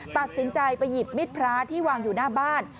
ตัดสินใจไปหยิบมิดพระที่วางอยู่หน้าบ้าน